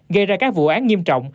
gây ra các vụ án nghiêm trọng